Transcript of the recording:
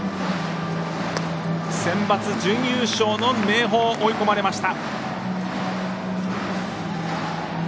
センバツ準優勝の明豊追い込まれました。